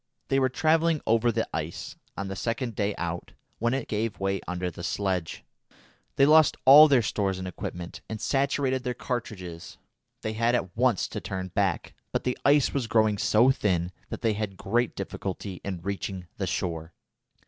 They were travelling over the ice, on the second day out, when it gave way under the sledge. They lost all their stores and equipment, and saturated their cartridges. They had at once to turn back, but the ice was growing so thin that they had great difficulty in reaching the shore.